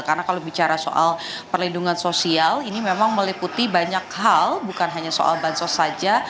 karena kalau bicara soal perlindungan sosial ini memang meliputi banyak hal bukan hanya soal bansos saja